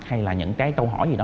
hay là những cái câu hỏi gì đó